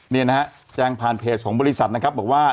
นี่นะฮะแจ้งผ่านเพจของบริษัทนะครับบอกว่า